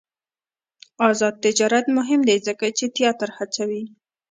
آزاد تجارت مهم دی ځکه چې تیاتر هڅوي.